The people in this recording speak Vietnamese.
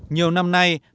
nhiều năm nay